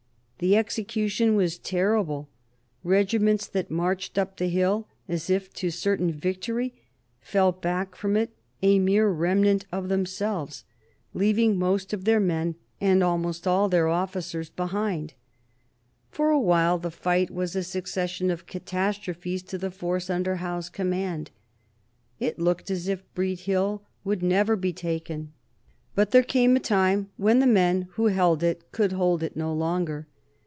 The execution was terrible; regiments that marched up the hill as if to certain victory fell back from it a mere remnant of themselves, leaving most of their men and almost all their officers behind. For awhile the fight was a succession of catastrophes to the force under Howe's command. It looked as if Breed Hill would never be taken. But there came a time when the men who held it could hold it no longer.